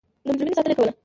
د مجرمینو ساتنه یې کوله.